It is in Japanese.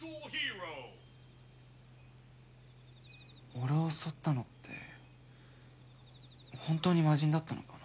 俺を襲ったのって本当に魔人だったのかな？